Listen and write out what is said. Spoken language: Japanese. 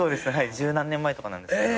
十何年前とかなんですけど。